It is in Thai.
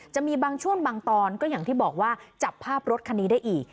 จะมีบางช่วงบางตอนก็อย่างที่บอกว่าจับภาพรถคันนี้ได้อีก